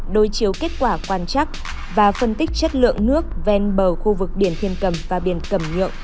đối chiếu kết quả quan chắc và phân tích chất lượng nước ven bờ khu vực biển thiên cầm và biển cầm nhượng